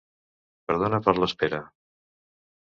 Perdona per l'espera.